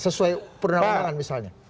sesuai perundangan misalnya